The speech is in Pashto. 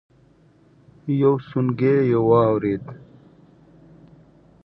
يو سونګی يې واورېد.